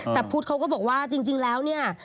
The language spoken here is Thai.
แต่พุทธเขาก็บอกว่าจริงแล้วเนี่ย